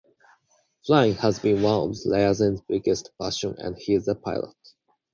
Flying has been one of Larsen's biggest passions and he is a pilot.